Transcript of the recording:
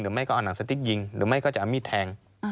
ไม่ก็เอาหนังสติ๊กยิงหรือไม่ก็จะเอามีดแทง